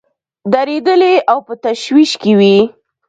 دردېدلي او په تشویش کې وي.